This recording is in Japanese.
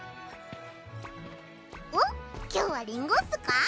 おっ今日はリンゴっすか？